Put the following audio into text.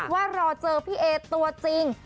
ว่ารอเจอพี่เอตัวจริง